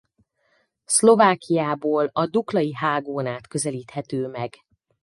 Szlovákiából a Duklai-hágón át közelíthető meg.